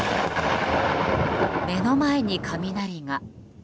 目の前に雷が。